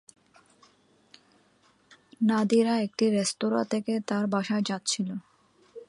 নাদিরা একটি রেস্তোঁরা থেকে তার বাসায় যাচ্ছিল।